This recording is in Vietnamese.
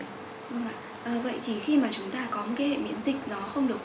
vâng vậy thì khi mà chúng ta có một cái hệ miễn dịch nó không được